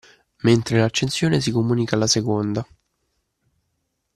Mentre l’accensione si comunica alla seconda